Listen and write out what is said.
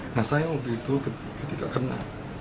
nah saya waktu itu ketika kena